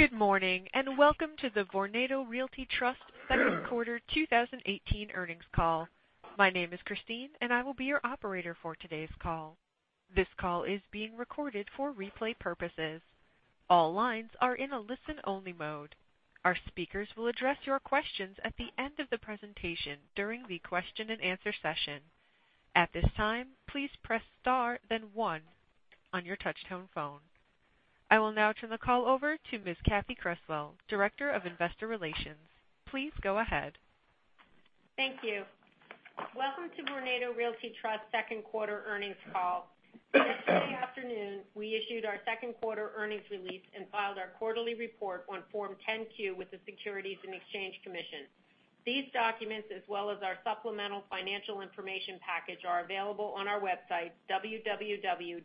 Good morning, and welcome to the Vornado Realty Trust second quarter 2018 earnings call. My name is Christine, and I will be your operator for today's call. This call is being recorded for replay purposes. All lines are in a listen-only mode. Our speakers will address your questions at the end of the presentation during the question and answer session. At this time, please press star, then one on your touch-tone phone. I will now turn the call over to Ms. Catherine Creswell, Director of Investor Relations. Please go ahead. Thank you. Welcome to Vornado Realty Trust second quarter earnings call. This afternoon, we issued our second quarter earnings release and filed our quarterly report on Form 10-Q with the Securities and Exchange Commission. These documents, as well as our supplemental financial information package, are available on our website, www.vno.com,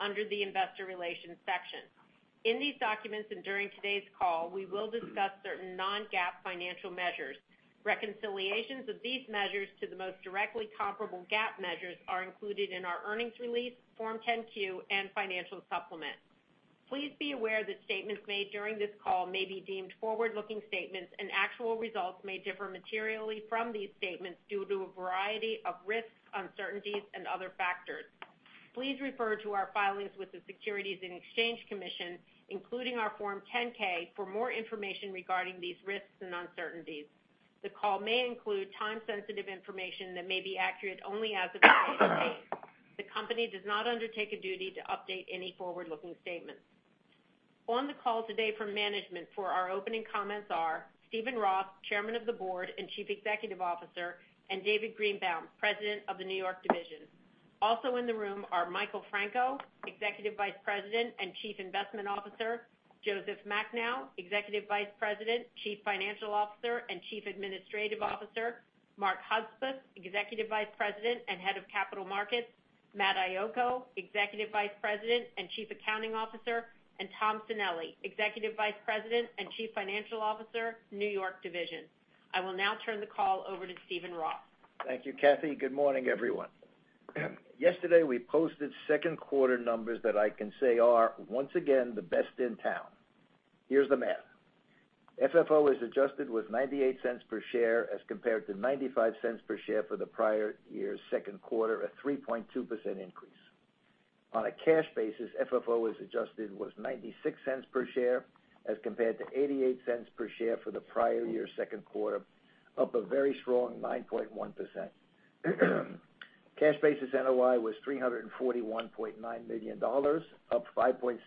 under the investor relations section. In these documents and during today's call, we will discuss certain non-GAAP financial measures. Reconciliations of these measures to the most directly comparable GAAP measures are included in our earnings release, Form 10-Q, and financial supplement. Please be aware that statements made during this call may be deemed forward-looking statements, and actual results may differ materially from these statements due to a variety of risks, uncertainties, and other factors. Please refer to our filings with the Securities and Exchange Commission, including our Form 10-K, for more information regarding these risks and uncertainties. The call may include time-sensitive information that may be accurate only as of today's date. The company does not undertake a duty to update any forward-looking statements. On the call today from management for our opening comments are Steven Roth, Chairman of the Board and Chief Executive Officer, and David Greenbaum, President of the New York Division. Also in the room are Michael Franco, Executive Vice President and Chief Investment Officer, Joseph Macnow, Executive Vice President, Chief Financial Officer, and Chief Administrative Officer, Mark Hudspeth, Executive Vice President and Head of Capital Markets, Matthew Iocco, Executive Vice President and Chief Accounting Officer, and Thomas Sanelli, Executive Vice President and Chief Financial Officer, New York Division. I will now turn the call over to Steven Roth. Thank you, Kathy. Good morning, everyone. Yesterday, we posted second quarter numbers that I can say are, once again, the best in town. Here's the math. FFO as adjusted was $0.98 per share as compared to $0.95 per share for the prior year's second quarter, a 3.2% increase. On a cash basis, FFO as adjusted was $0.96 per share, as compared to $0.88 per share for the prior year's second quarter, up a very strong 9.1%. Cash basis NOI was $341.9 million, up 5.6%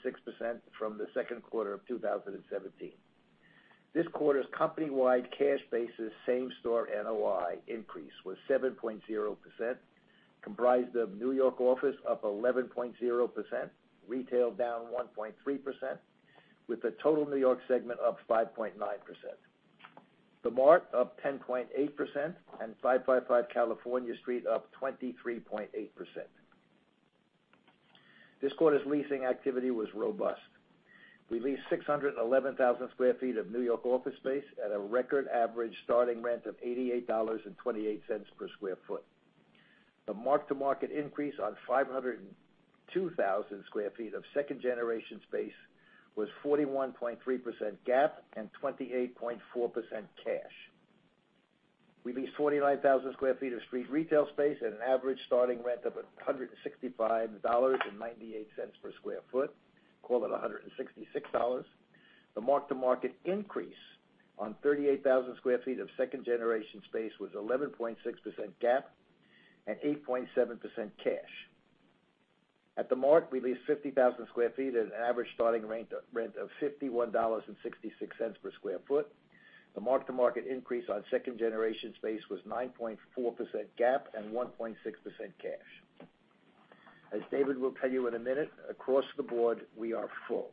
from the second quarter of 2017. This quarter's company-wide cash basis same-store NOI increase was 7.0%, comprised of New York Office up 11.0%, retail down 1.3%, with the total New York segment up 5.9%. theMART up 10.8%, 555 California Street up 23.8%. This quarter's leasing activity was robust. We leased 611,000 sq ft of New York office space at a record average starting rent of $88.28 per sq ft. The mark-to-market increase on 502,000 sq ft of second generation space was 41.3% GAAP and 28.4% cash. We leased 49,000 sq ft of street retail space at an average starting rent of $165.98 per sq ft, call it $166. The mark-to-market increase on 38,000 sq ft of second generation space was 11.6% GAAP and 8.7% cash. At theMART, we leased 50,000 sq ft at an average starting rent of $51.66 per sq ft. The mark-to-market increase on second generation space was 9.4% GAAP and 1.6% cash. As David will tell you in a minute, across the board, we are full.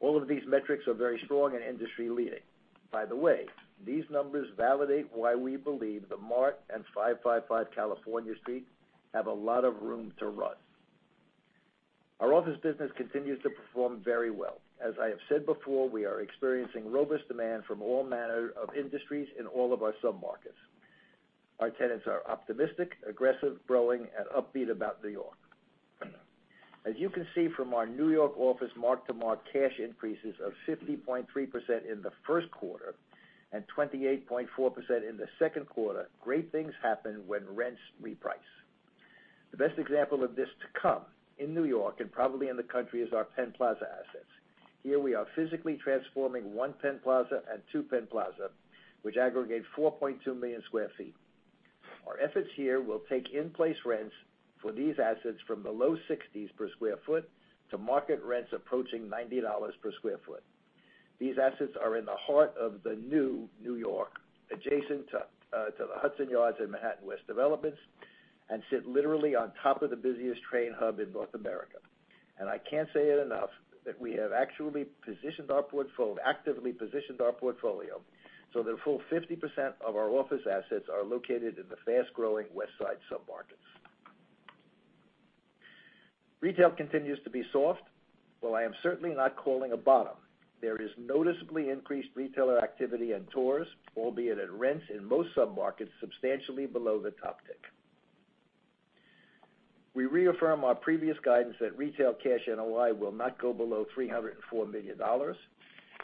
All of these metrics are very strong and industry-leading. These numbers validate why we believe theMART and 555 California Street have a lot of room to run. Our office business continues to perform very well. As I have said before, we are experiencing robust demand from all manner of industries in all of our sub-markets. Our tenants are optimistic, aggressive, growing, and upbeat about New York. As you can see from our New York office mark-to-market cash increases of 50.3% in the first quarter and 28.4% in the second quarter, great things happen when rents reprice. The best example of this to come in New York, and probably in the country, is our Penn Plaza assets. Here we are physically transforming One Penn Plaza and Two Penn Plaza, which aggregate 4.2 million sq ft. Our efforts here will take in-place rents for these assets from the low $60s per sq ft to market rents approaching $90 per sq ft. These assets are in the heart of the new New York, adjacent to the Hudson Yards and Manhattan West developments, and sit literally on top of the busiest train hub in North America. I can't say it enough that we have actively positioned our portfolio so that a full 50% of our office assets are located in the fast-growing West Side sub-markets. Retail continues to be soft. While I am certainly not calling a bottom, there is noticeably increased retailer activity and tours, albeit at rents in most sub-markets substantially below the top tick. We reaffirm our previous guidance that retail cash NOI will not go below $304 million,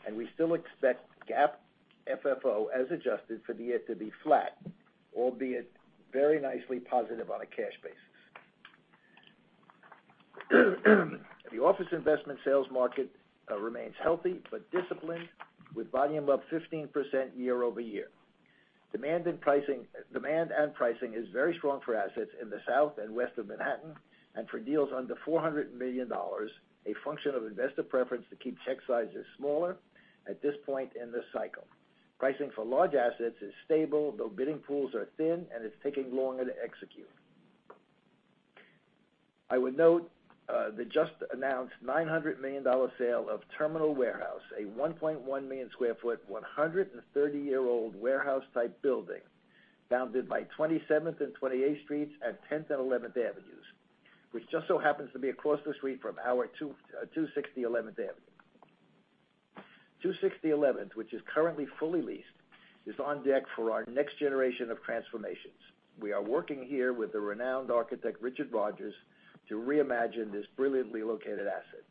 and we still expect GAAP FFO, as adjusted for the year, to be flat, albeit very nicely positive on a cash basis. The office investment sales market remains healthy but disciplined, with volume up 15% year-over-year. Demand and pricing is very strong for assets in the South and West of Manhattan and for deals under $400 million, a function of investor preference to keep check sizes smaller at this point in the cycle. Pricing for large assets is stable, though bidding pools are thin, and it's taking longer to execute. I would note the just-announced $900 million sale of Terminal Warehouse, a 1.1-million-square-foot, 130-year-old warehouse-type building bounded by 27th and 28th Streets and 10th and 11th Avenues, which just so happens to be across the street from our 260 11th Avenue. 260 11th, which is currently fully leased, is on deck for our next generation of transformations. We are working here with the renowned architect, Richard Rogers, to reimagine this brilliantly located asset.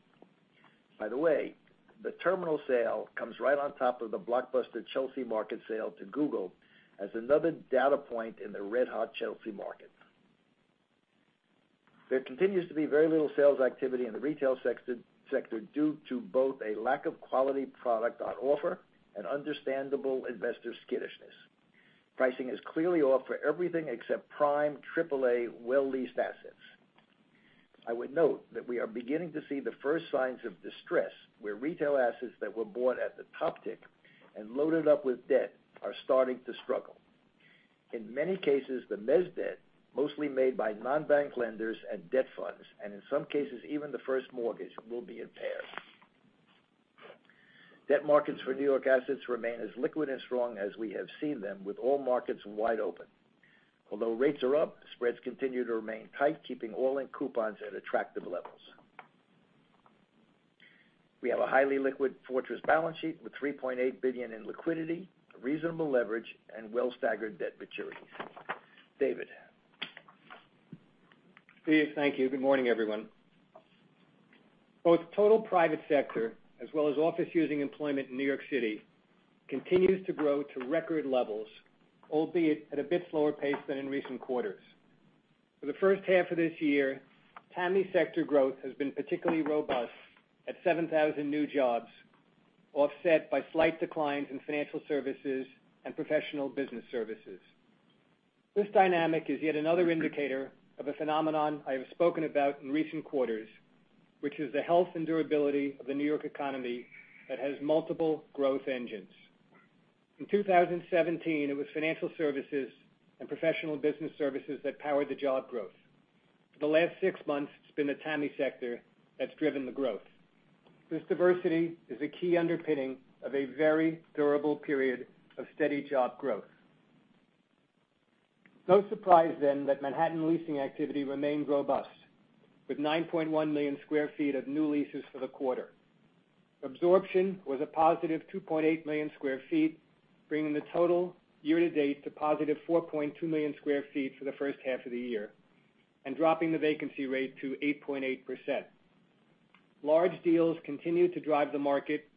By the way, the Terminal sale comes right on top of the blockbuster Chelsea Market sale to Google as another data point in the red-hot Chelsea market. There continues to be very little sales activity in the retail sector due to both a lack of quality product on offer and understandable investor skittishness. Pricing is clearly off for everything except prime, triple-A, well-leased assets. I would note that we are beginning to see the first signs of distress, where retail assets that were bought at the top tick and loaded up with debt are starting to struggle. In many cases, the mezz debt, mostly made by non-bank lenders and debt funds, and in some cases, even the first mortgage, will be impaired. Debt markets for New York assets remain as liquid and strong as we have seen them, with all markets wide open. Although rates are up, spreads continue to remain tight, keeping all-in coupons at attractive levels. We have a highly liquid fortress balance sheet with $3.8 billion in liquidity, reasonable leverage, and well-staggered debt maturities. David? Steve, thank you. Good morning, everyone. Both total private sector, as well as office-using employment in New York City, continues to grow to record levels, albeit at a bit slower pace than in recent quarters. For the first half of this year, TAMI sector growth has been particularly robust at 7,000 new jobs, offset by slight declines in financial services and professional business services. This dynamic is yet another indicator of a phenomenon I have spoken about in recent quarters, which is the health and durability of the New York economy that has multiple growth engines. In 2017, it was financial services and professional business services that powered the job growth. For the last six months, it's been the TAMI sector that's driven the growth. This diversity is a key underpinning of a very durable period of steady job growth. No surprise then that Manhattan leasing activity remained robust, with 9.1 million square feet of new leases for the quarter. Absorption was a positive 2.8 million square feet, bringing the total year-to-date to positive 4.2 million square feet for the first half of the year and dropping the vacancy rate to 8.8%. Large deals continue to drive the market,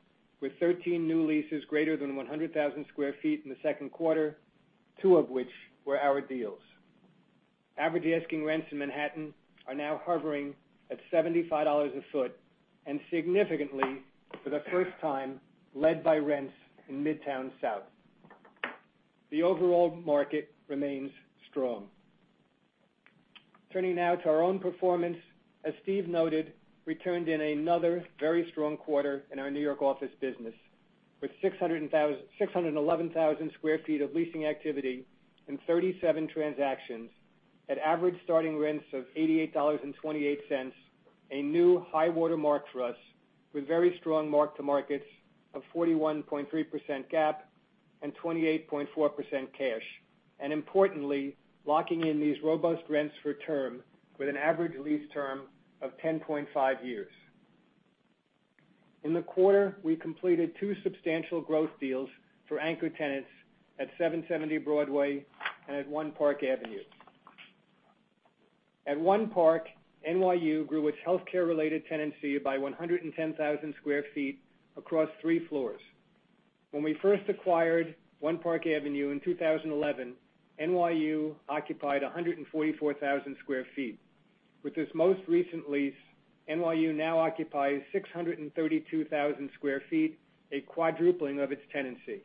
with 13 new leases greater than 100,000 square feet in the second quarter, two of which were our deals. Average asking rents in Manhattan are now hovering at $75 a foot and significantly, for the first time, led by rents in Midtown South. The overall market remains strong. Turning now to our own performance, as Steve noted, we turned in another very strong quarter in our New York office business with 611,000 square feet of leasing activity and 37 transactions at average starting rents of $88.28, a new high water mark for us with very strong mark-to-markets of 41.3% GAAP and 28.4% cash. Importantly, locking in these robust rents for term with an average lease term of 10.5 years. In the quarter, we completed two substantial growth deals for anchor tenants at 770 Broadway and at 1 Park Avenue. At 1 Park, NYU grew its healthcare-related tenancy by 110,000 square feet across three floors. When we first acquired 1 Park Avenue in 2011, NYU occupied 144,000 square feet. With this most recent lease, NYU now occupies 632,000 square feet, a quadrupling of its tenancy.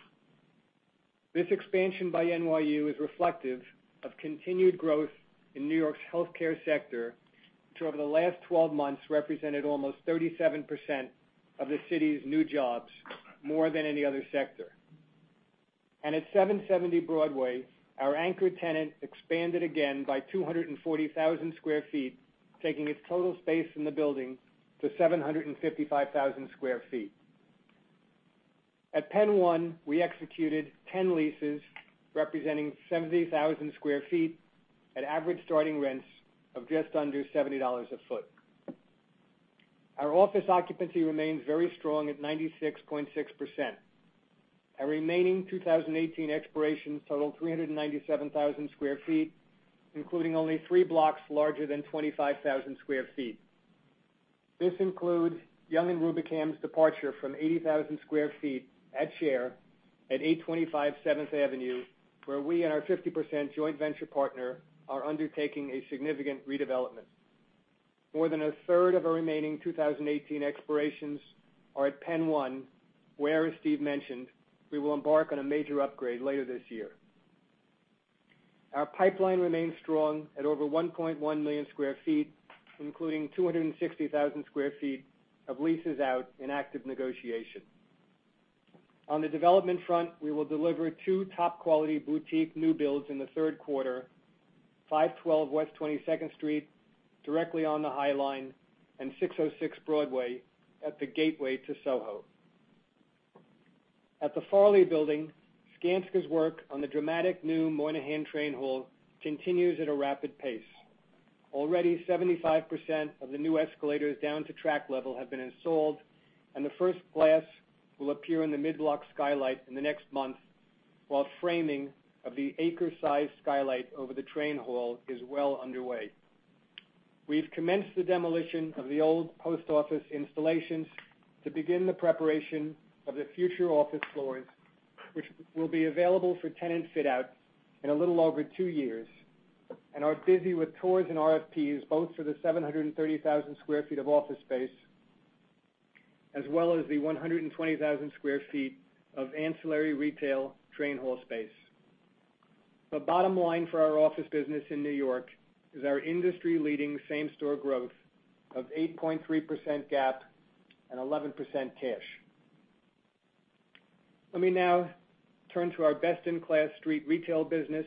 This expansion by NYU is reflective of continued growth in New York's healthcare sector, which over the last 12 months represented almost 37% of the city's new jobs, more than any other sector. At 770 Broadway, our anchor tenant expanded again by 240,000 square feet, taking its total space in the building to 755,000 square feet. At Penn One, we executed 10 leases representing 70,000 square feet at average starting rents of just under $70 a foot. Our office occupancy remains very strong at 96.6%. Our remaining 2018 expirations total 397,000 square feet, including only three blocks larger than 25,000 square feet. This includes Young & Rubicam's departure from 80,000 square feet at 825 Seventh Avenue, where we and our 50% joint venture partner are undertaking a significant redevelopment. More than a third of our remaining 2018 expirations are at Penn One where, as Steve mentioned, we will embark on a major upgrade later this year. Our pipeline remains strong at over 1.1 million square feet, including 260,000 square feet of leases out in active negotiation. On the development front, we will deliver two top-quality boutique new builds in the third quarter, 512 West 22nd Street, directly on the High Line, and 606 Broadway at the gateway to SoHo. At the Farley building, Skanska's work on the dramatic new Moynihan train hall continues at a rapid pace. 75% of the new escalators down to track level have been installed, and the first glass will appear in the mid-block skylight in the next month, while framing of the acre-sized skylight over the train hall is well underway. We've commenced the demolition of the old post office installations to begin the preparation of the future office floors, which will be available for tenant fit-out in a little over two years, and are busy with tours and RFPs, both for the 730,000 square feet of office space, as well as the 120,000 square feet of ancillary retail train hall space. The bottom line for our office business in New York is our industry-leading same-store growth of 8.3% GAAP and 11% cash. Let me now turn to our best-in-class street retail business.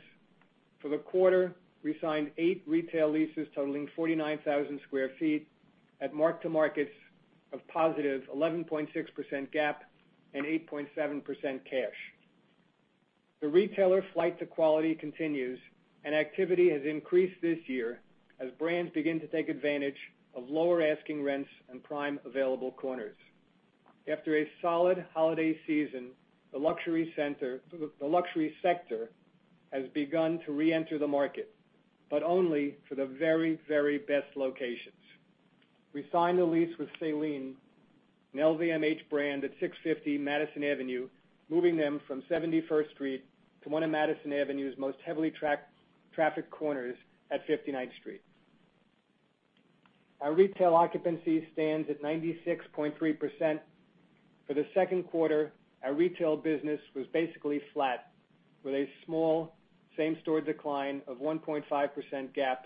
For the quarter, we signed eight retail leases totaling 49,000 square feet at mark-to-markets of positive 11.6% GAAP and 8.7% cash. The retailer flight to quality continues, and activity has increased this year as brands begin to take advantage of lower asking rents and prime available corners. After a solid holiday season, the luxury sector has begun to reenter the market, but only for the very best locations. We signed a lease with Celine, an LVMH brand, at 650 Madison Avenue, moving them from 71st Street to one of Madison Avenue's most heavily trafficked corners at 59th Street. Our retail occupancy stands at 96.3%. For the second quarter, our retail business was basically flat, with a small same-store decline of 1.5% GAAP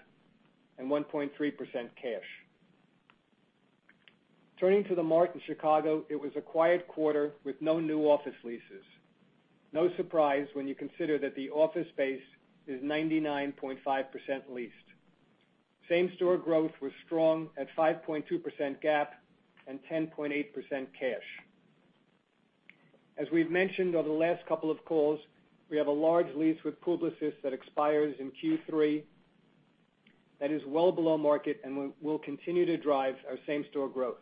and 1.3% cash. Turning to theMART in Chicago, it was a quiet quarter with no new office leases. No surprise when you consider that the office space is 99.5% leased. Same-store growth was strong at 5.2% GAAP and 10.8% cash. As we've mentioned over the last couple of calls, we have a large lease with Publicis that expires in Q3 that is well below market and will continue to drive our same-store growth.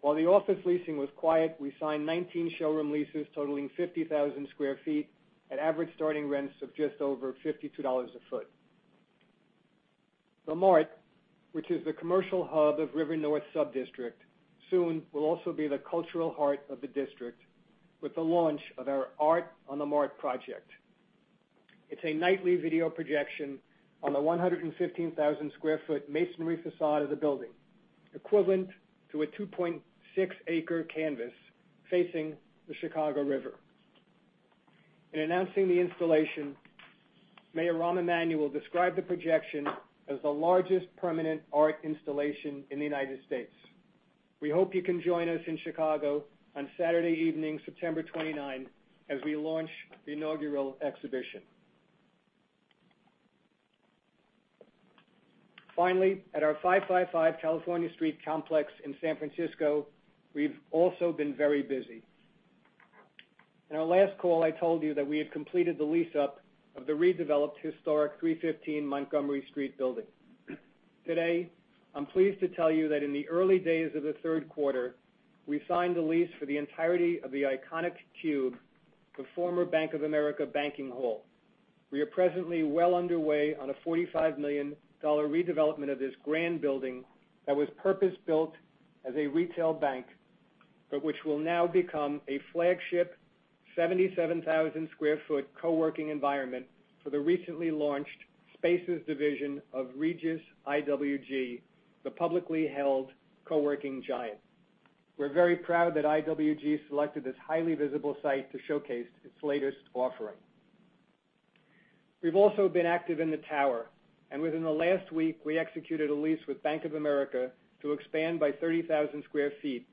While the office leasing was quiet, we signed 19 showroom leases totaling 50,000 sq ft at average starting rents of just over $52 a foot. TheMART, which is the commercial hub of River North sub-district, soon will also be the cultural heart of the district with the launch of our Art on theMART project. It's a nightly video projection on the 115,000 sq ft masonry facade of the building, equivalent to a 2.6-acre canvas facing the Chicago River. In announcing the installation, Mayor Rahm Emanuel described the projection as the largest permanent art installation in the U.S. We hope you can join us in Chicago on Saturday evening, September 29, as we launch the inaugural exhibition. Finally, at our 555 California Street complex in San Francisco, we've also been very busy. In our last call, I told you that we had completed the lease-up of the redeveloped historic 315 Montgomery Street building. Today, I'm pleased to tell you that in the early days of the third quarter, we signed a lease for the entirety of the iconic Cube, the former Bank of America banking hall. We are presently well underway on a $45 million redevelopment of this grand building that was purpose-built as a retail bank, but which will now become a flagship 77,000 sq ft coworking environment for the recently launched Spaces division of Regus IWG, the publicly held coworking giant. We're very proud that IWG selected this highly visible site to showcase its latest offering. We've also been active in the tower. Within the last week, we executed a lease with Bank of America to expand by 30,000 sq ft,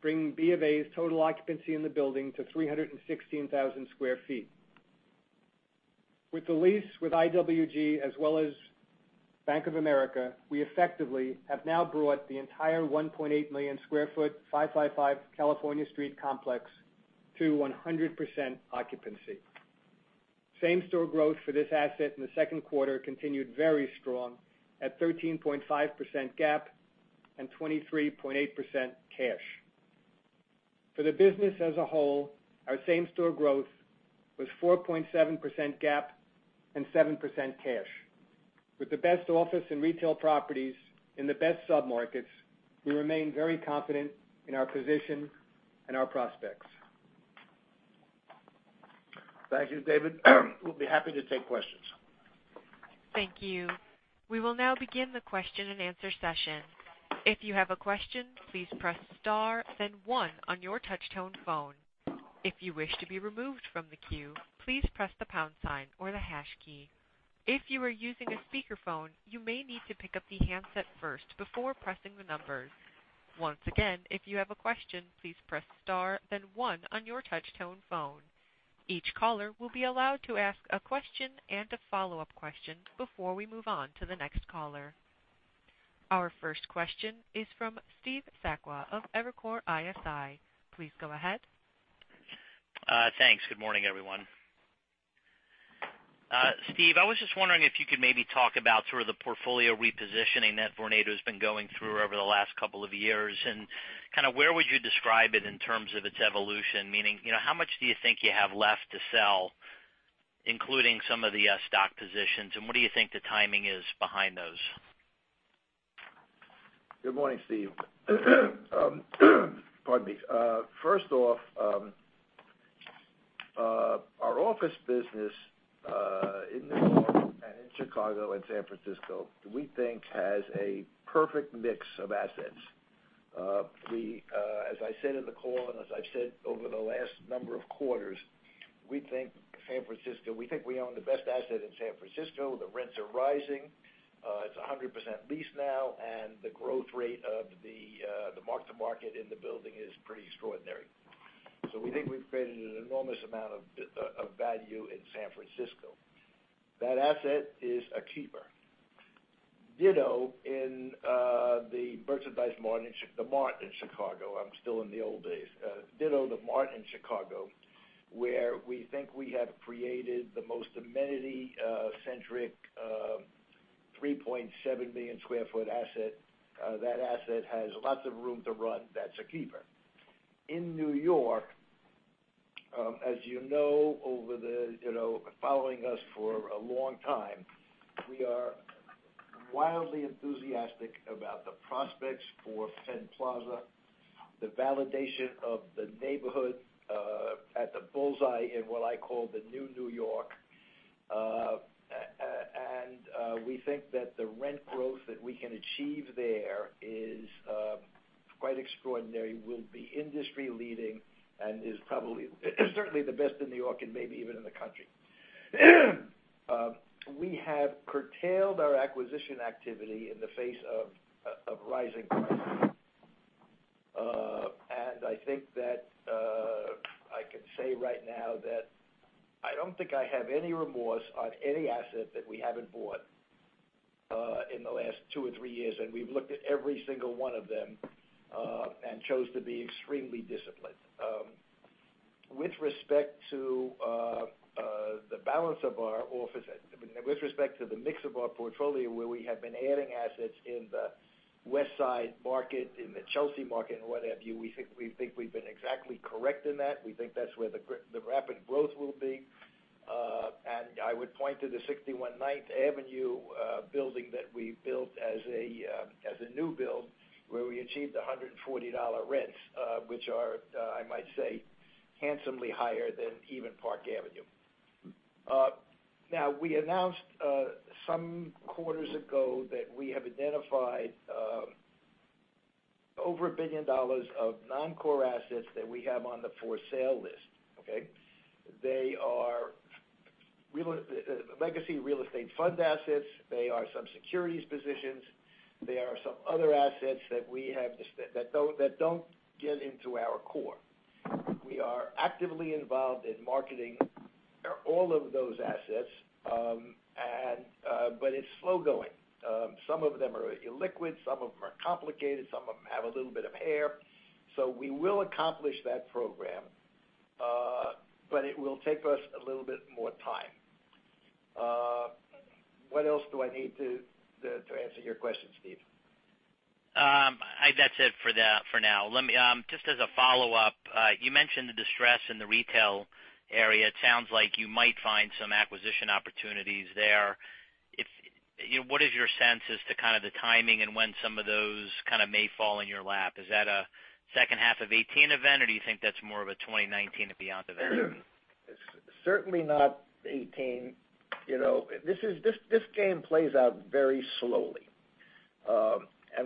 bringing B of A's total occupancy in the building to 316,000 sq ft. With the lease with IWG as well as Bank of America, we effectively have now brought the entire 1.8 million sq ft 555 California Street complex to 100% occupancy. Same-store growth for this asset in the second quarter continued very strong at 13.5% GAAP and 23.8% cash. For the business as a whole, our same-store growth was 4.7% GAAP and 7% cash. With the best office and retail properties in the best sub-markets, we remain very confident in our position and our prospects. Thank you, David. We'll be happy to take questions. Thank you. We will now begin the question and answer session. If you have a question, please press star then one on your touch tone phone. If you wish to be removed from the queue, please press the pound sign or the hash key. If you are using a speakerphone, you may need to pick up the handset first before pressing the numbers. Once again, if you have a question, please press star then one on your touch tone phone. Each caller will be allowed to ask a question and a follow-up question before we move on to the next caller. Our first question is from Steve Sakwa of Evercore ISI. Please go ahead. Thanks. Good morning, everyone. Steve, I was just wondering if you could maybe talk about sort of the portfolio repositioning that Vornado's been going through over the last couple of years. Where would you describe it in terms of its evolution, meaning, how much do you think you have left to sell, including some of the stock positions? What do you think the timing is behind those? Good morning, Steve. Pardon me. First off, our office business, in N.Y. and in Chicago and San Francisco, we think has a perfect mix of assets. As I said in the call, as I've said over the last number of quarters, we think we own the best asset in San Francisco. The rents are rising. It's 100% leased now, and the growth rate of the mark-to-market in the building is pretty extraordinary. We think we've created an enormous amount of value in San Francisco. That asset is a keeper. Ditto in the theMART in Chicago. I'm still in the old days. Ditto the theMART in Chicago, where we think we have created the most amenity-centric, 3.7 million sq ft asset. That asset has lots of room to run. That's a keeper. In New York, as you know, following us for a long time, we are wildly enthusiastic about the prospects for Penn Plaza, the validation of the neighborhood, at the bullseye in what I call the new New York. We think that the rent growth that we can achieve there is quite extraordinary, will be industry leading, and is certainly the best in New York and maybe even in the country. We have curtailed our acquisition activity in the face of rising prices. I think that I can say right now that I don't think I have any remorse on any asset that we haven't bought in the last two or three years, and we've looked at every single one of them, and chose to be extremely disciplined. With respect to the mix of our portfolio, where we have been adding assets in the West Side market, in the Chelsea market and what have you, we think we've been exactly correct in that. We think that's where the rapid growth will be. I would point to the 61 9th Avenue building that we built as a new build, where we achieved $140 rents, which are, I might say, handsomely higher than even Park Avenue. We announced some quarters ago that we have identified over $1 billion of non-core assets that we have on the for sale list. Okay? They are legacy real estate fund assets. They are some securities positions. They are some other assets that don't give into our core. We are actively involved in marketing all of those assets, but it's slow going. Some of them are illiquid, some of them are complicated, some of them have a little bit of hair. We will accomplish that program, but it will take us a little bit more time. What else do I need to answer your question, Steve? That's it for now. Just as a follow-up, you mentioned the distress in the retail area. It sounds like you might find some acquisition opportunities there. What is your sense as to kind of the timing and when some of those may fall in your lap? Is that a second half of 2018 event, or do you think that's more of a 2019 and beyond event? Certainly not 2018. This game plays out very slowly.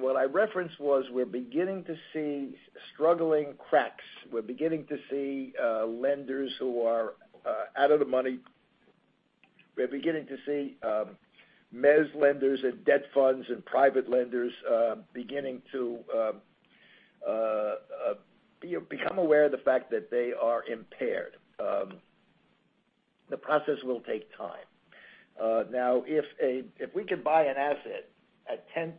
What I referenced was, we're beginning to see struggling cracks. We're beginning to see lenders who are out of the money. We're beginning to see mezz lenders and debt funds and private lenders beginning to become aware of the fact that they are impaired. The process will take time. If we can buy an asset at 10%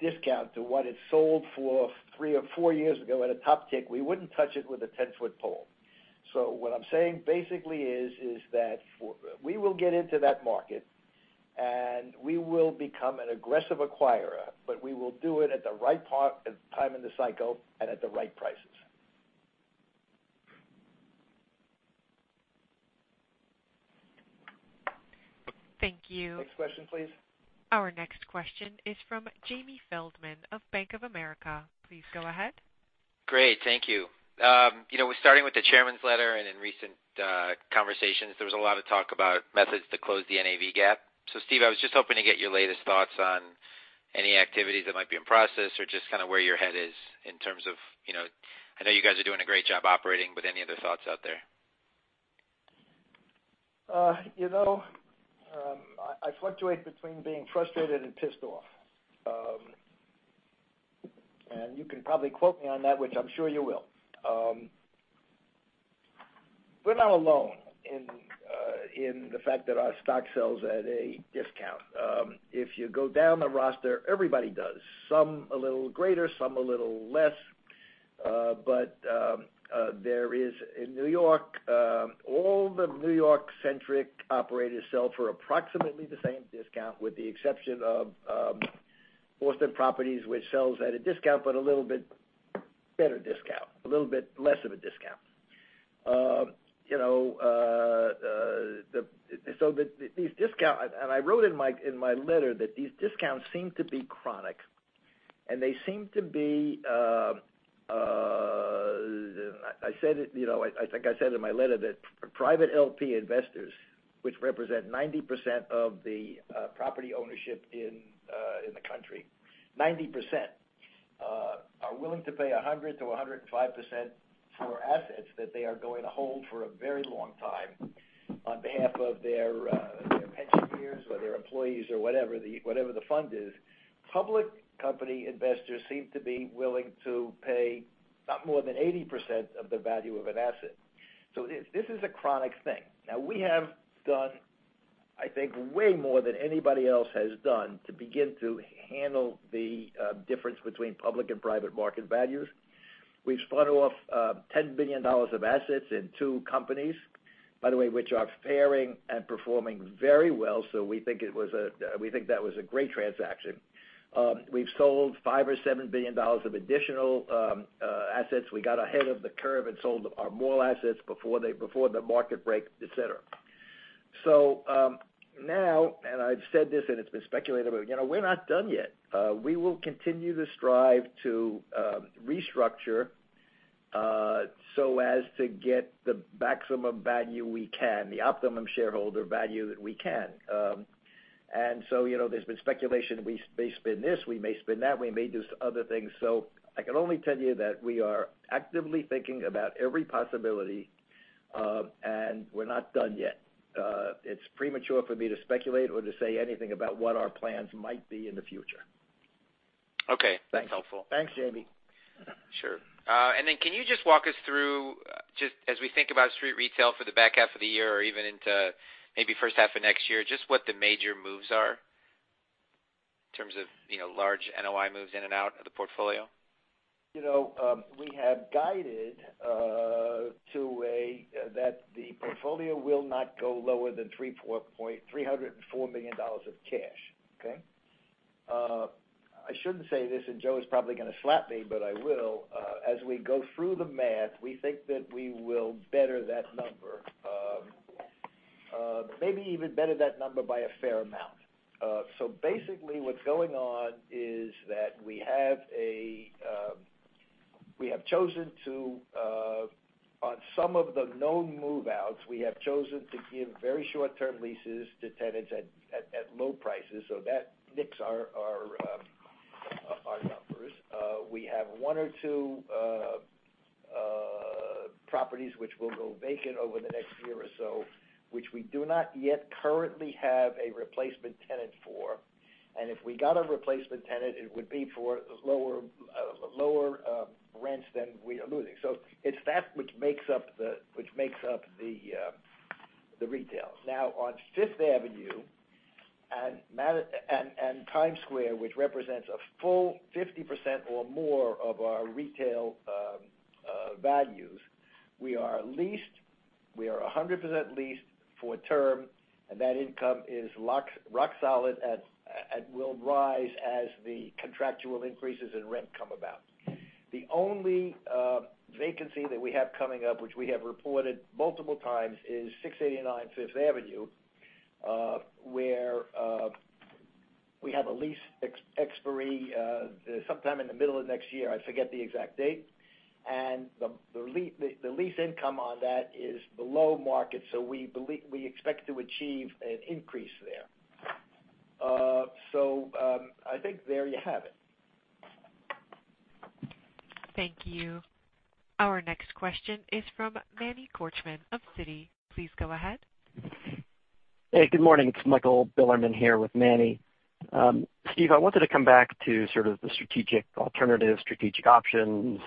discount to what it sold for three or four years ago at a top tick, we wouldn't touch it with a 10-foot pole. What I'm saying basically is that we will get into that market, and we will become an aggressive acquirer, but we will do it at the right time in the cycle and at the right prices. Thank you. Next question, please. Our next question is from Jamie Feldman of Bank of America. Please go ahead. Great. Thank you. Starting with the chairman's letter and in recent conversations, there was a lot of talk about methods to close the NAV gap. Steve, I was just hoping to get your latest thoughts on any activities that might be in process or just where your head is in terms of, I know you guys are doing a great job operating, but any other thoughts out there? I fluctuate between being frustrated and pissed off. You can probably quote me on that, which I'm sure you will. We're not alone in the fact that our stock sells at a discount. If you go down the roster, everybody does. Some a little greater, some a little less. There is, in New York, all the New York-centric operators sell for approximately the same discount with the exception of Boston Properties, which sells at a discount, but a little bit better discount, a little bit less of a discount. I wrote in my letter that these discounts seem to be chronic, and they seem to be, I think I said in my letter that private LP investors, which represent 90% of the property ownership in the country, 90% are willing to pay 100%-105% for assets that they are going to hold for a very long time on behalf of their pension peers or their employees or whatever the fund is. Public company investors seem to be willing to pay not more than 80% of the value of an asset. This is a chronic thing. Now we have done, I think, way more than anybody else has done to begin to handle the difference between public and private market values. We've spun off $10 billion of assets in two companies, by the way, which are fairing and performing very well. We think that was a great transaction. We've sold $5 billion or $7 billion of additional assets. We got ahead of the curve and sold our mall assets before the market break, et cetera. I've said this and it's been speculated, but we're not done yet. We will continue to strive to restructure, so as to get the maximum value we can, the optimum shareholder value that we can. There's been speculation we may spin this, we may spin that, we may do other things. I can only tell you that we are actively thinking about every possibility, and we're not done yet. It's premature for me to speculate or to say anything about what our plans might be in the future. Okay. That's helpful. Thanks, Jamie. Sure. Then can you just walk us through, just as we think about street retail for the back half of the year or even into maybe first half of next year, just what the major moves are in terms of large NOI moves in and out of the portfolio? We have guided to a, that the portfolio will not go lower than $304 million of cash. Okay? I shouldn't say this, and Joe's probably going to slap me, but I will. As we go through the math, we think that we will better that number. Maybe even better that number by a fair amount. Basically what's going on is that on some of the known move-outs, we have chosen to give very short-term leases to tenants at low prices. That nicks our numbers. We have one or two properties which will go vacant over the next year or so, which we do not yet currently have a replacement tenant for. If we got a replacement tenant, it would be for lower rents than we are losing. It's that which makes up the retail. On Fifth Avenue and Times Square, which represents a full 50% or more of our retail values, we are 100% leased for term, and that income is rock solid and will rise as the contractual increases in rent come about. The only vacancy that we have coming up, which we have reported multiple times, is 689 Fifth Avenue, where we have a lease expiry sometime in the middle of next year. I forget the exact date. The lease income on that is below market, so we expect to achieve an increase there. I think there you have it. Thank you. Our next question is from Manny Korchman of Citi. Please go ahead. Hey, good morning. It's Michael Bilerman here with Manny. Steve, I wanted to come back to sort of the strategic alternative, strategic options,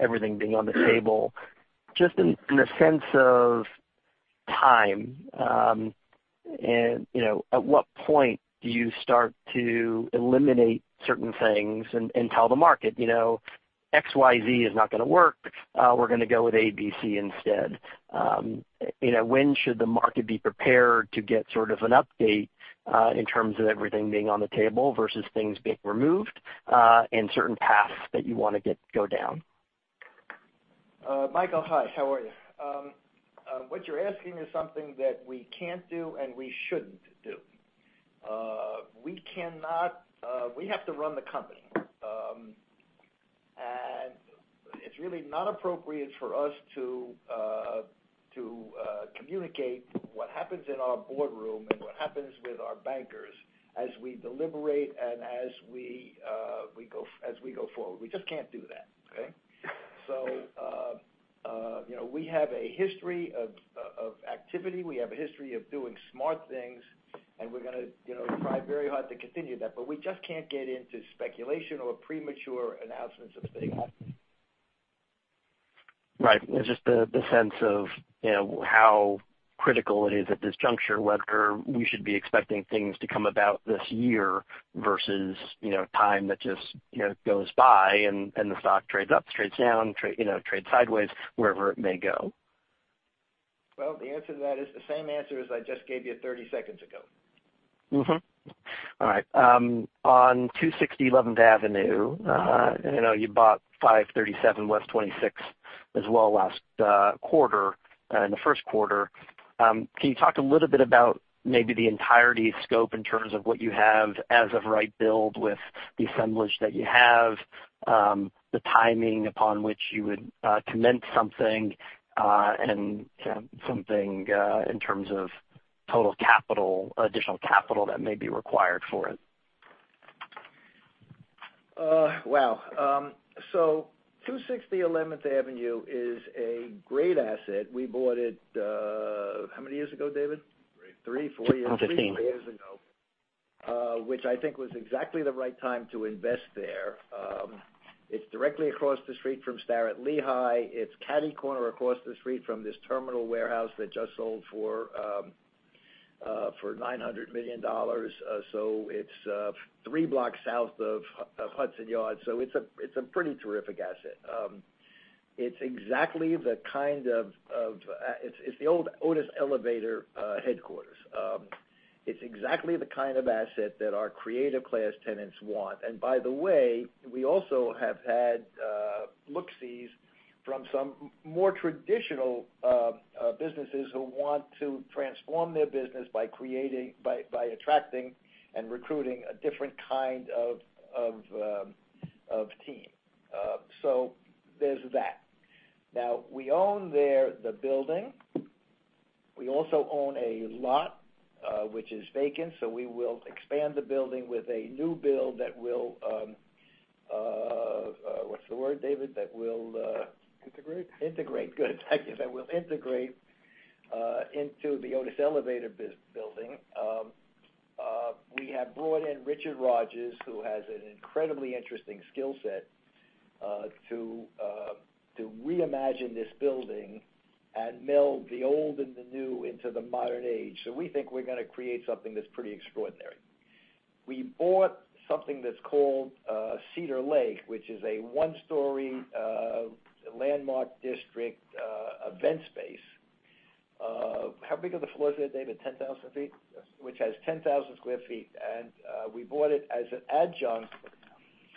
everything being on the table. Just in the sense of time, at what point do you start to eliminate certain things and tell the market, "XYZ is not going to work. We're going to go with ABC instead"? When should the market be prepared to get sort of an update, in terms of everything being on the table versus things being removed, and certain paths that you want to go down? Michael, hi. How are you? What you're asking is something that we can't do and we shouldn't do. We have to run the company. It's really not appropriate for us to communicate what happens in our boardroom and what happens with our bankers as we deliberate and as we go forward. We just can't do that, okay? We have a history of activity. We have a history of doing smart things, and we're going to try very hard to continue that, but we just can't get into speculation or premature announcements of things. Right. It's just the sense of how critical it is at this juncture, whether we should be expecting things to come about this year versus time that just goes by and the stock trades up, trades down, trades sideways, wherever it may go. The answer to that is the same answer as I just gave you 30 seconds ago. All right. On 260 11th Avenue, I know you bought 537 West 26th as well last quarter, in the first quarter. Can you talk a little bit about maybe the entirety scope in terms of what you have as of right build with the assemblage that you have, the timing upon which you would commence something, and something in terms of total additional capital that may be required for it? Wow. 260 11th Avenue is a great asset. We bought it, how many years ago, David? Three. Three, four years. 2015. Three years ago, which I think was exactly the right time to invest there. It's directly across the street from Starrett-Lehigh. It's catty-corner across the street from this terminal warehouse that just sold for $900 million. It's three blocks south of Hudson Yards. It's a pretty terrific asset. It's the old Otis Elevator headquarters. It's exactly the kind of asset that our creative class tenants want. By the way, we also have had look-sees from some more traditional businesses who want to transform their business by attracting and recruiting a different kind of team. There's that. Now, we own the building. We also own a lot, which is vacant, so we will expand the building with a new build that will, what's the word, David? That will- Integrate? Integrate. Good. Thank you. That will integrate into the Otis Elevator building. We have brought in Richard Rogers, who has an incredibly interesting skill set, to reimagine this building and meld the old and the new into the modern age. We think we're going to create something that's pretty extraordinary. We bought something that's called Cedar Lake, which is a one-story landmark district event space. How big are the floors there, David? 10,000 feet? Yes. Which has 10,000 square feet. We bought it as an adjunct.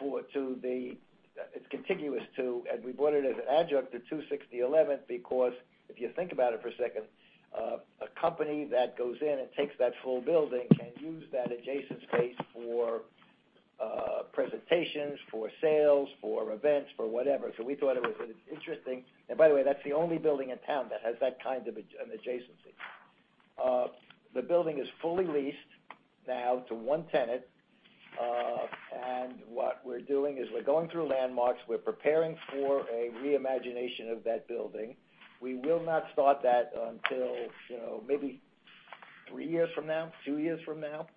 It's contiguous to, we bought it as an adjunct to 260 11th because if you think about it for a second, a company that goes in and takes that whole building can use that adjacent space for presentations, for sales, for events, for whatever. We thought it was interesting. By the way, that's the only building in town that has that kind of an adjacency. The building is fully leased now to one tenant. What we're doing is we're going through landmarks. We're preparing for a reimagination of that building. We will not start that until maybe three years from now, two years from now.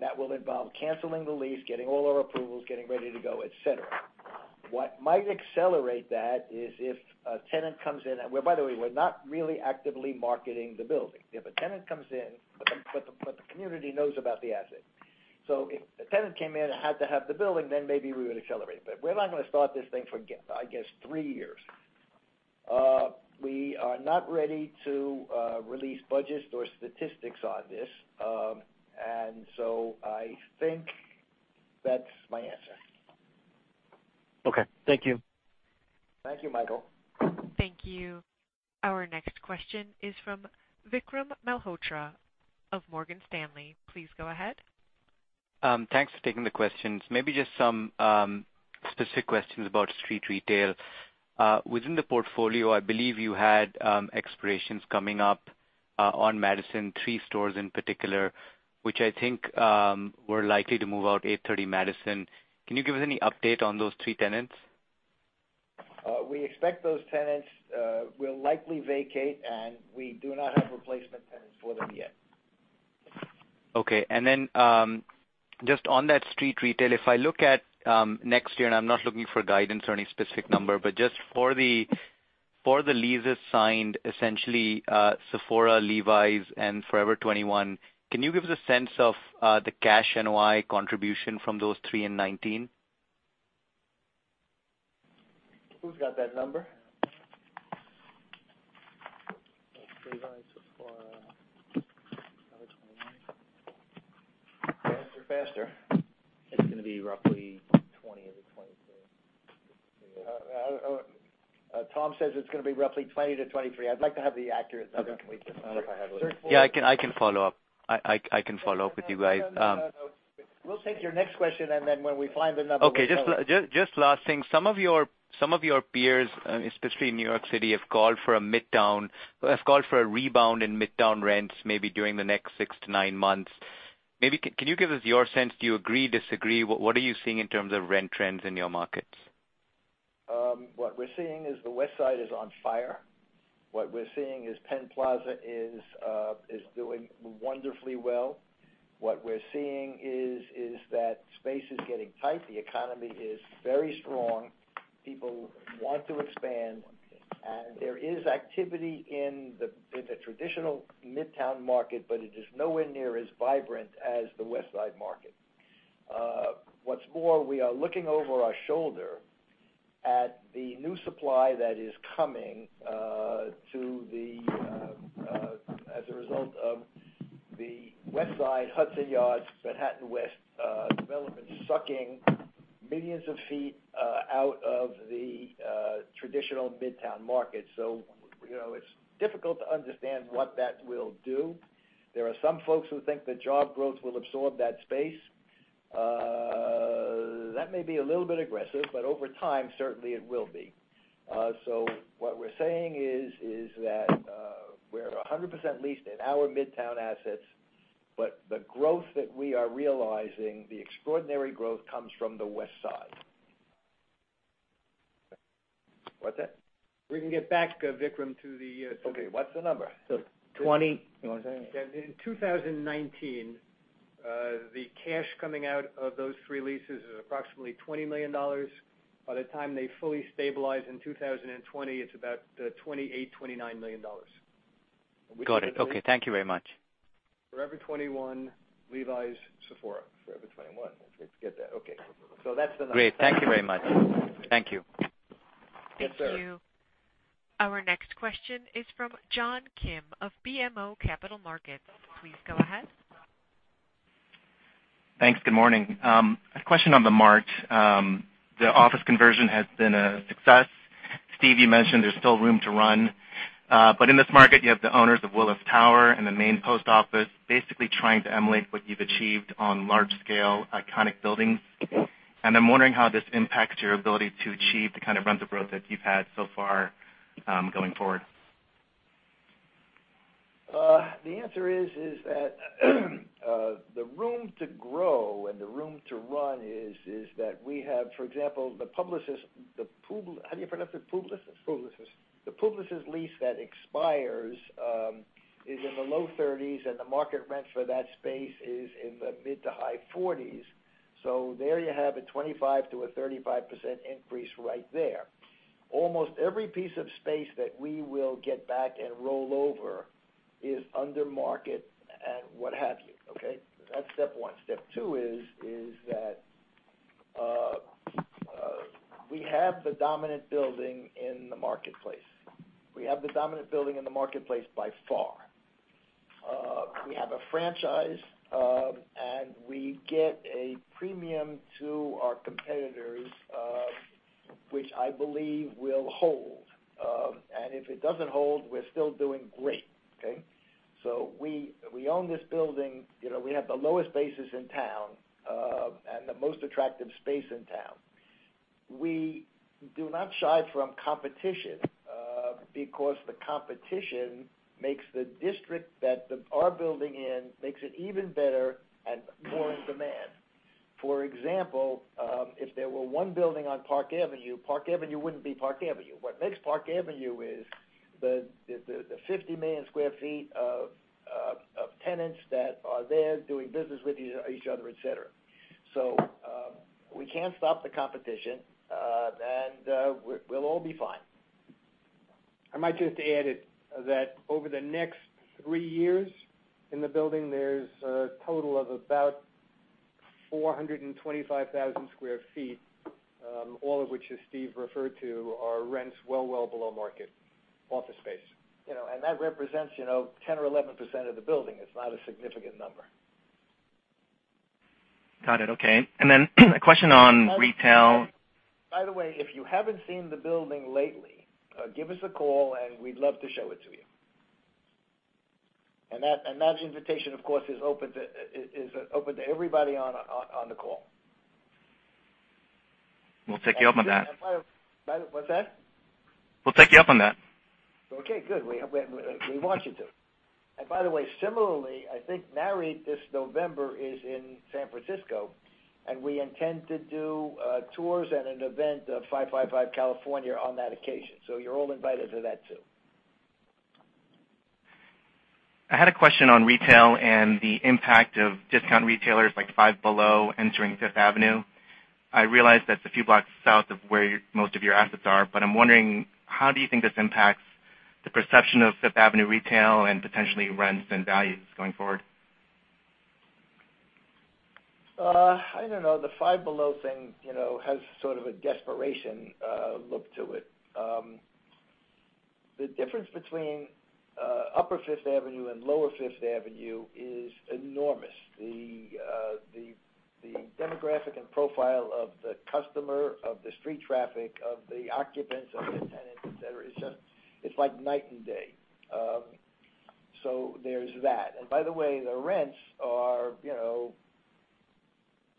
That will involve canceling the lease, getting all our approvals, getting ready to go, et cetera. What might accelerate that is if a tenant comes in, by the way, we're not really actively marketing the building. If a tenant comes in, the community knows about the asset. If a tenant came in and had to have the building, maybe we would accelerate. We're not going to start this thing for, I guess, three years. We are not ready to release budgets or statistics on this. I think that's my answer. Okay. Thank you. Thank you, Michael. Thank you. Our next question is from Vikram Malhotra of Morgan Stanley. Please go ahead. Thanks for taking the questions. Maybe just some specific questions about street retail. Within the portfolio, I believe you had expirations coming up on Madison, three stores in particular, which I think were likely to move out 830 Madison. Can you give us any update on those three tenants? We expect those tenants will likely vacate. We do not have replacement tenants for them yet. Okay. Just on that street retail, if I look at next year, and I'm not looking for guidance or any specific number, but just for the leases signed, essentially, Sephora, Levi's, and Forever 21, can you give us a sense of the cash NOI contribution from those three in 2019? Who's got that number? Levi's, Sephora, Forever 21. Faster. It's going to be roughly 20-23. Tom says it's going to be roughly 20-23. I'd like to have the accurate number. Okay. If I had it. Yeah, I can follow up with you guys. We'll take your next question, and then when we find the number, we'll tell it. Okay, just last thing. Some of your peers, especially in New York City, have called for a rebound in Midtown rents maybe during the next six to nine months. Maybe, can you give us your sense? Do you agree, disagree? What are you seeing in terms of rent trends in your markets? What we're seeing is the West Side is on fire. What we're seeing is Penn Plaza is doing wonderfully well. What we're seeing is that space is getting tight. The economy is very strong. People want to expand. There is activity in the traditional Midtown market, but it is nowhere near as vibrant as the West Side market. What's more, we are looking over our shoulder at the new supply that is coming as a result of the West Side Hudson Yards, Manhattan West development sucking millions of feet out of the traditional Midtown market. It's difficult to understand what that will do. There are some folks who think that job growth will absorb that space. That may be a little bit aggressive, but over time, certainly it will be. What we're saying is that we're 100% leased at our Midtown assets, but the growth that we are realizing, the extraordinary growth comes from the West Side. What's that? We can get back, Vikram, to the. Okay. What's the number? 20 You want to say it? In 2019, the cash coming out of those three leases is approximately $20 million. By the time they fully stabilize in 2020, it's about $28, $29 million. Got it. Okay. Thank you very much. Forever 21, Levi's, Sephora. Forever 21, don't forget that. Okay. That's the number. Great. Thank you very much. Thank you. Yes, sir. Thank you. Our next question is from John Kim of BMO Capital Markets. Please go ahead. Thanks. Good morning. A question on theMART. The office conversion has been a success. Steve, you mentioned there's still room to run. In this market, you have the owners of Willis Tower and the main post office, basically trying to emulate what you've achieved on large scale, iconic buildings. I'm wondering how this impacts your ability to achieve the kind of rents or growth that you've had so far, going forward. The answer is that the room to grow and the room to run is that we have, for example, the Publicis How do you pronounce it? Publicis? Publicis. The Publicis lease that expires, is in the low $30s, and the market rent for that space is in the mid to high $40s. There you have a 25%-35% increase right there. Almost every piece of space that we will get back and roll over is under market and what have you. Okay? That's step one. Step two is that we have the dominant building in the marketplace. We have the dominant building in the marketplace by far. We have a franchise, and we get a premium to our competitors, which I believe will hold. If it doesn't hold, we're still doing great. Okay? We own this building. We have the lowest bases in town, and the most attractive space in town. We do not shy from competition, because the competition makes the district that our building in, makes it even better and more in demand. For example, if there were one building on Park Avenue, Park Avenue wouldn't be Park Avenue. What makes Park Avenue is the 50 million sq ft of tenants that are there doing business with each other, et cetera. We can't stop the competition, and we'll all be fine. I might just add that over the next three years in the building, there's a total of about 425,000 sq ft, all of which, as Steve referred to, are rents well below market office space. That represents 10% or 11% of the building. It's not a significant number. Got it. Okay. Then a question on retail. By the way, if you haven't seen the building lately, give us a call, and we'd love to show it to you. That invitation, of course, is open to everybody on the call. We'll take you up on that. What's that? We'll take you up on that. Okay, good. We want you to. By the way, similarly, I think Nareit, this November, is in San Francisco, and we intend to do tours and an event of 555 California on that occasion. You're all invited to that, too. I had a question on retail and the impact of discount retailers like Five Below entering Fifth Avenue. I realize that's a few blocks south of where most of your assets are, I'm wondering, how do you think this impacts the perception of Fifth Avenue retail and potentially rents and values going forward? I don't know. The Five Below thing has sort of a desperation look to it. The difference between Upper Fifth Avenue and Lower Fifth Avenue is enormous. The demographic and profile of the customer, of the street traffic, of the occupants, of the tenants, et cetera, it's like night and day. There's that. By the way, the rents are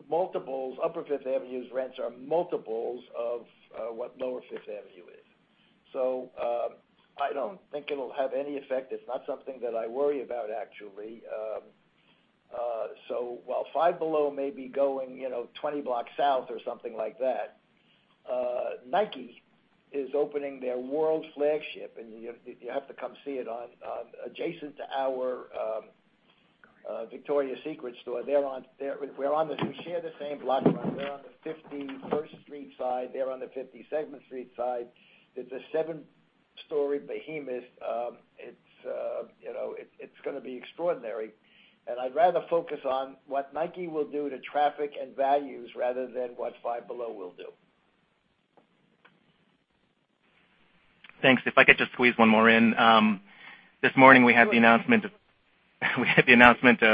multiples. Upper Fifth Avenue's rents are multiples of what Lower Fifth Avenue is. I don't think it'll have any effect. It's not something that I worry about, actually. While Five Below may be going 20 blocks south or something like that, Nike is opening their world flagship, and you have to come see it, adjacent to our Victoria's Secret store. We share the same block. We're on the 51st Street side, they're on the 52nd Street side. It's a seven-story behemoth. It's going to be extraordinary. I'd rather focus on what Nike will do to traffic and values rather than what Five Below will do. Thanks. If I could just squeeze one more in. This morning, we had the announcement of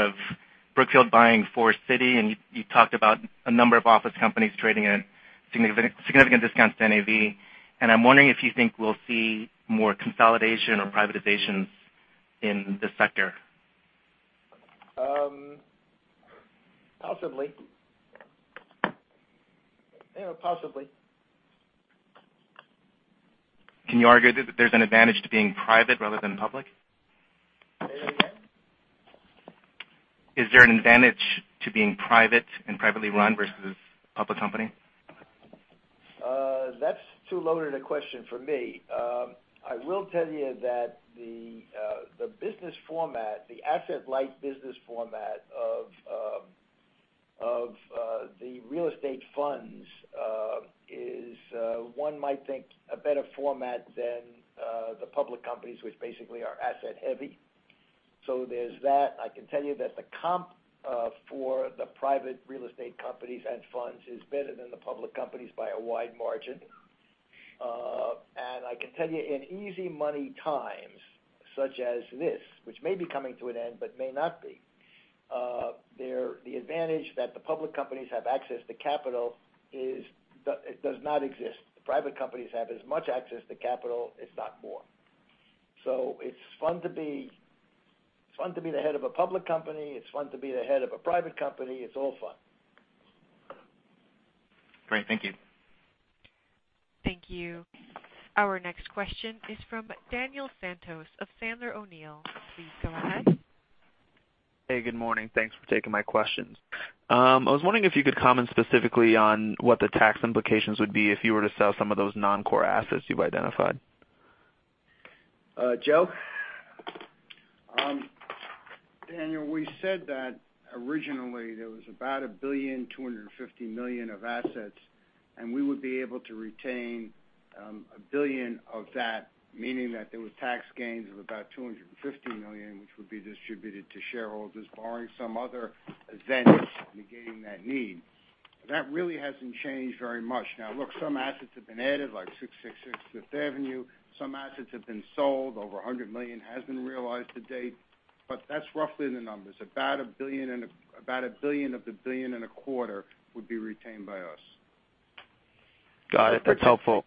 Brookfield buying Forest City, and you talked about a number of office companies trading at significant discounts to NAV. I'm wondering if you think we'll see more consolidation or privatizations in this sector. Possibly. Can you argue that there's an advantage to being private rather than public? Say that again. Is there an advantage to being private and privately run versus public company? That's too loaded a question for me. I will tell you that the business format, the asset-light business format of the real estate funds is, one might think, a better format than the public companies, which basically are asset heavy. There's that. I can tell you that the comp for the private real estate companies and funds is better than the public companies by a wide margin. I can tell you, in easy money times, such as this, which may be coming to an end, but may not be, the advantage that the public companies have access to capital does not exist. The private companies have as much access to capital, if not more. It's fun to be the head of a public company. It's fun to be the head of a private company. It's all fun. Great. Thank you. Thank you. Our next question is from Daniel Santos of Sandler O'Neill. Please go ahead. Hey, good morning. Thanks for taking my questions. I was wondering if you could comment specifically on what the tax implications would be if you were to sell some of those non-core assets you've identified. Joe? Daniel, we said that originally there was about $1.25 billion of assets, we would be able to retain $1 billion of that, meaning that there was tax gains of about $250 million, which would be distributed to shareholders, barring some other event negating that need. That really hasn't changed very much. Look, some assets have been added, like 666 Fifth Avenue, some assets have been sold. Over $100 million has been realized to date. That's roughly the numbers. About $1 billion of the $1.25 billion would be retained by us. Got it. That's helpful.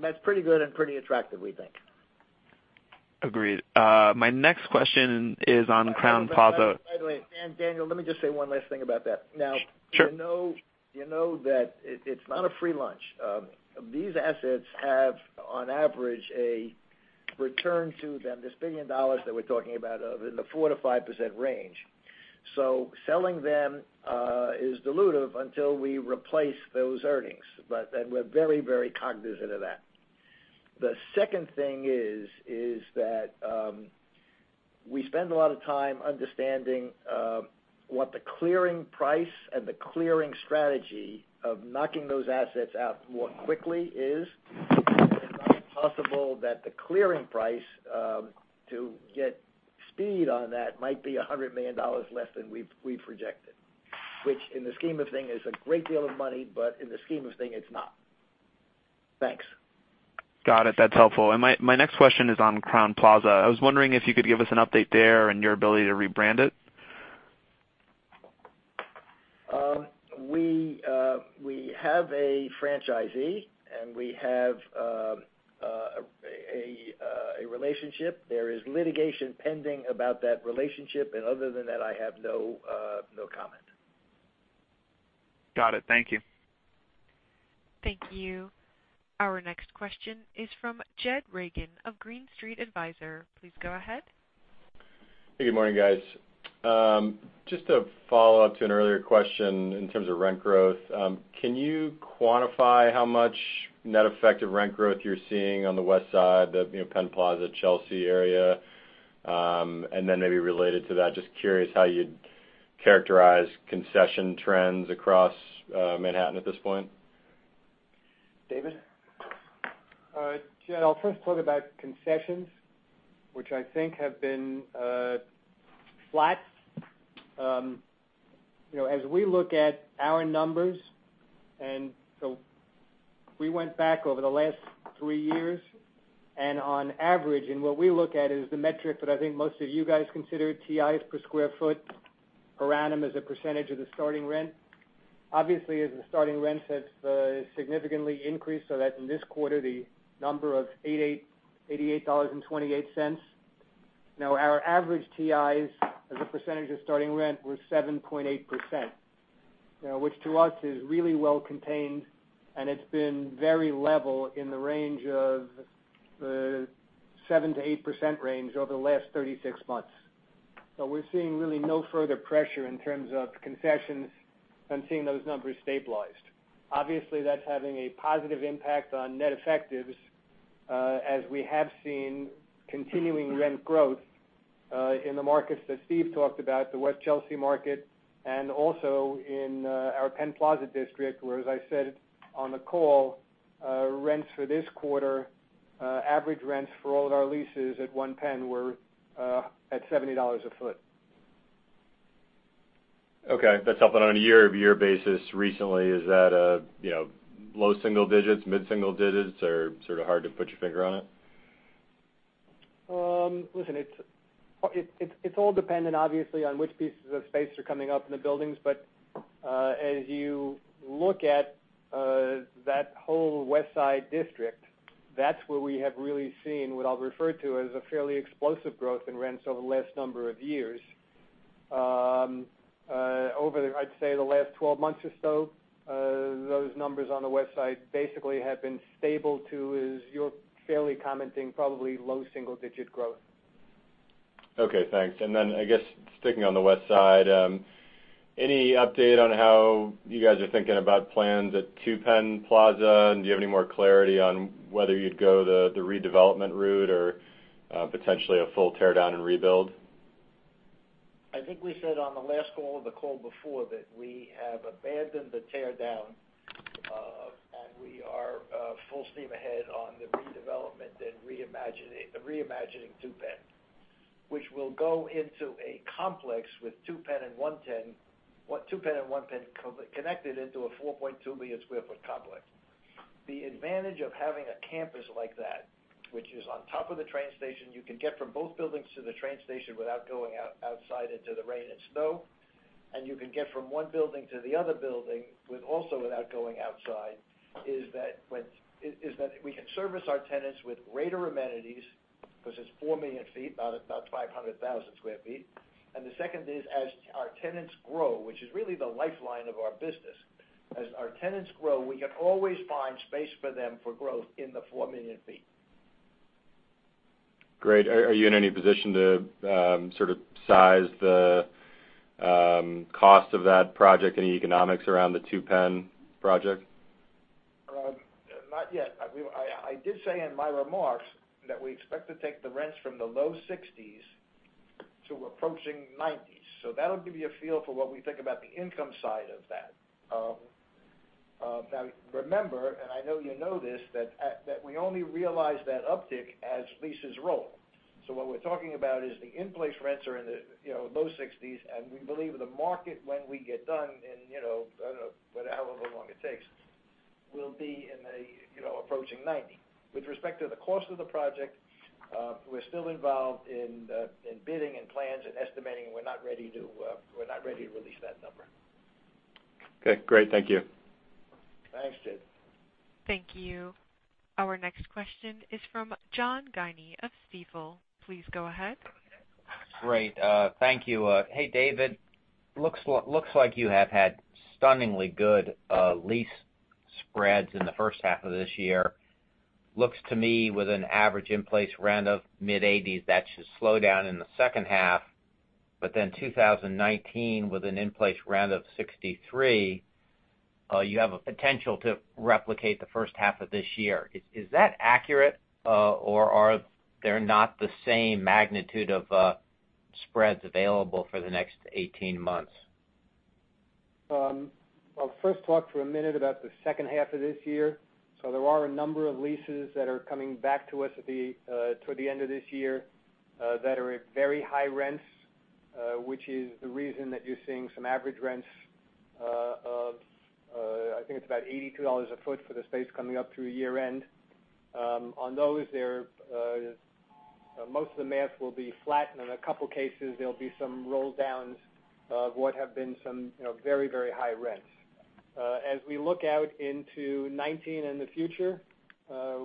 That's pretty good and pretty attractive, we think. Agreed. My next question is on Crowne Plaza. By the way, Dan, Daniel, let me just say one last thing about that. Sure. You know that it's not a free lunch. These assets have, on average, a return to them, this $1 billion that we're talking about, of in the 4%-5% range. Selling them is dilutive until we replace those earnings. We're very cognizant of that. The second thing is that we spend a lot of time understanding what the clearing price and the clearing strategy of knocking those assets out more quickly is. It is not impossible that the clearing price to get speed on that might be $100 million less than we've projected. Which, in the scheme of things, is a great deal of money, but in the scheme of things, it's not. Thanks. Got it. That's helpful. My next question is on Crowne Plaza. I was wondering if you could give us an update there and your ability to rebrand it. We have a franchisee, and we have a relationship. There is litigation pending about that relationship, other than that, I have no comment. Got it. Thank you. Thank you. Our next question is from Jed Reagan of Green Street Advisors. Please go ahead. Hey, good morning, guys. Just to follow up to an earlier question in terms of rent growth, can you quantify how much net effective rent growth you're seeing on the West Side, the Penn Plaza, Chelsea area? Then maybe related to that, just curious how you'd characterize concession trends across Manhattan at this point. David? Jed, I'll first talk about concessions, which I think have been flat. As we look at our numbers, we went back over the last 3 years, and on average, what we look at is the metric that I think most of you guys consider, TIs per square foot per annum as a percentage of the starting rent. Obviously, as the starting rents have significantly increased, that in this quarter, the number of $88.28. Our average TIs as a percentage of starting rent were 7.8%, which to us is really well contained, and it's been very level in the 7%-8% range over the last 36 months. We're seeing really no further pressure in terms of concessions and seeing those numbers stabilized. Obviously, that's having a positive impact on net effectives, as we have seen continuing rent growth in the markets that Steve talked about, the West Chelsea market and also in our Penn Plaza district, where, as I said on the call, rents for this quarter, average rents for all of our leases at One Penn were at $70 a foot. Okay. That's up and on a year-over-year basis recently. Is that low single digits, mid-single digits, or sort of hard to put your finger on it? Listen, it's all dependent, obviously, on which pieces of space are coming up in the buildings. As you look at that whole West Side district, that's where we have really seen what I'll refer to as a fairly explosive growth in rents over the last number of years. Over, I'd say, the last 12 months or so, those numbers on the West Side basically have been stable to, as you're fairly commenting, probably low single-digit growth. Okay, thanks. I guess sticking on the West Side, any update on how you guys are thinking about plans at Two Penn Plaza? Do you have any more clarity on whether you'd go the redevelopment route or potentially a full tear down and rebuild? I think we said on the last call or the call before that we have abandoned the tear down. We are full steam ahead on the redevelopment and reimagining Two Penn, which will go into a complex with Two Penn and One Penn connected into a 4.2-million-square-foot complex. The advantage of having a campus like that, which is on top of the train station, you can get from both buildings to the train station without going outside into the rain and snow. You can get from one building to the other building with also without going outside, is that we can service our tenants with greater amenities because it's 4 million feet, about 500,000 square feet. The second is as our tenants grow, which is really the lifeline of our business. As our tenants grow, we can always find space for them for growth in the 4 million feet. Great. Are you in any position to sort of size the cost of that project and the economics around the Two Penn project? Not yet. I did say in my remarks that we expect to take the rents from the low 60s to approaching 90s. That'll give you a feel for what we think about the income side of that. Remember, and I know you know this, that we only realize that uptick as leases roll. What we're talking about is the in-place rents are in the low 60s, and we believe the market, when we get done in, I don't know, however long it takes, will be approaching 90. With respect to the cost of the project, we're still involved in bidding and plans and estimating, and we're not ready to release that number. Okay, great. Thank you. Thanks, Jed. Thank you. Our next question is from John Guinee of Stifel. Please go ahead. Great. Thank you. Hey, David. Looks like you have had stunningly good lease spreads in the first half of this year. Looks to me with an average in-place rent of mid-$80s, that should slow down in the second half. 2019, with an in-place rent of $63, you have a potential to replicate the first half of this year. Is that accurate, or are there not the same magnitude of spreads available for the next 18 months? I'll first talk for a minute about the second half of this year. There are a number of leases that are coming back to us toward the end of this year, that are at very high rents, which is the reason that you're seeing some average rents of, I think it's about $82 a foot for the space coming up through year-end. On those, most of the math will be flat, and in a couple of cases, there'll be some roll-downs of what have been some very, very high rents. As we look out into 2019 and the future,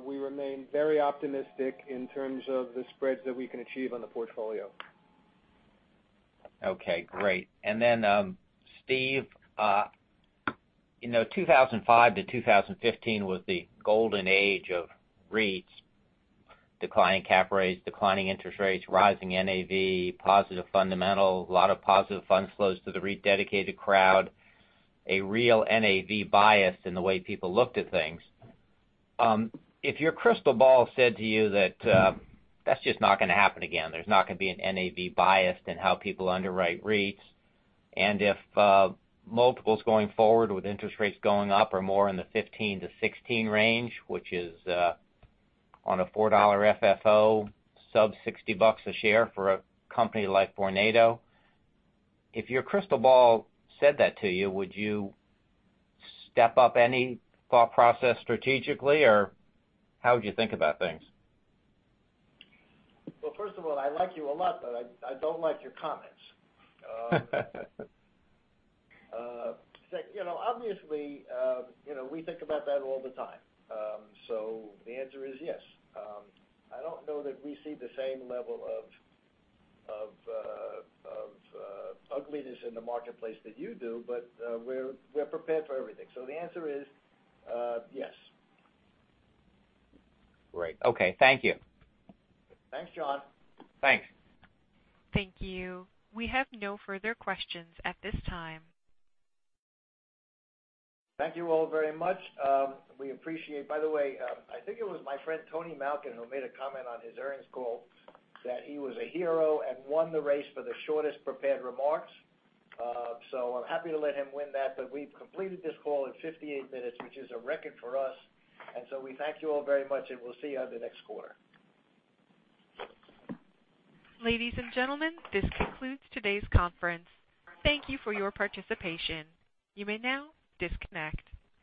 we remain very optimistic in terms of the spreads that we can achieve on the portfolio. Okay, great. Steve 2005 to 2015 was the golden age of REITs. Declining cap rates, declining interest rates, rising NAV, positive fundamental, a lot of positive fund flows to the REIT dedicated crowd, a real NAV bias in the way people looked at things. If your crystal ball said to you that's just not going to happen again. There's not going to be an NAV bias in how people underwrite REITs, and if multiples going forward with interest rates going up are more in the 15 to 16 range, which is on a $4 FFO, sub $60 a share for a company like Vornado. If your crystal ball said that to you, would you step up any thought process strategically, or how would you think about things? Well, first of all, I like you a lot, I don't like your comments. Obviously, we think about that all the time. The answer is yes. I don't know that we see the same level of ugliness in the marketplace that you do, we're prepared for everything. The answer is yes. Great. Okay. Thank you. Thanks, John. Thanks. Thank you. We have no further questions at this time. Thank you all very much. We appreciate it. By the way, I think it was my friend Anthony Malkin who made a comment on his earnings call that he was a hero and won the race for the shortest prepared remarks. I'm happy to let him win that. We've completed this call in 58 minutes, which is a record for us. We thank you all very much, and we'll see you on the next quarter. Ladies and gentlemen, this concludes today's conference. Thank you for your participation. You may now disconnect.